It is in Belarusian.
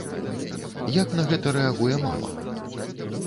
Як на гэта рэагуе мама?